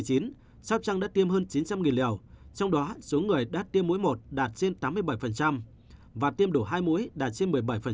sóc trăng đã tiêm hơn chín trăm linh liều trong đó số người đã tiêm mũi một đạt trên tám mươi bảy và tiêm đủ hai mũi đạt trên một mươi bảy